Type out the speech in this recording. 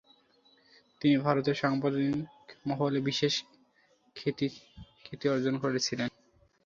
তিনি ভারতের সাংবাদিক মহলে বিশেষ খ্যাত ছিলেন।